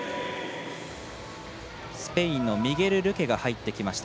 スペインのミゲル・ルケが入ってきました。